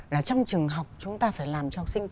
là trong trường học chúng ta phải làm cho học sinh